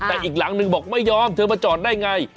แต่อีกหลังนึงบอกไม่ยอมเธอมาจอดได้ไง